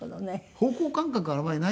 方向感覚があまりないでしょ？